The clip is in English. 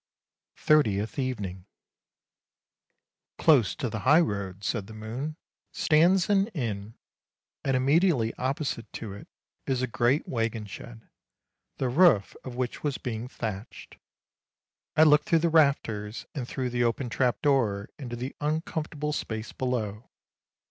THIRTIETH EVENING " Close to the high road," said the moon, " stands an inn, and immediately opposite to it is a great waggon shed, the roof of which was being thatched. I looked through the rafters, and through the open trap door into the uncomfortable space below.